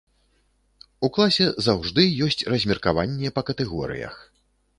У класе заўжды ёсць размеркаванне па катэгорыях.